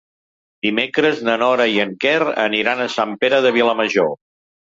Dimecres na Nora i en Quer aniran a Sant Pere de Vilamajor.